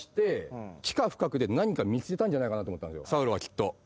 サウロはきっと。